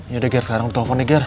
yaudah ger sekarang lo telfon deh ger